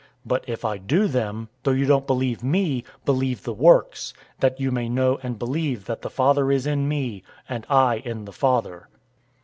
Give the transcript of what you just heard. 010:038 But if I do them, though you don't believe me, believe the works; that you may know and believe that the Father is in me, and I in the Father."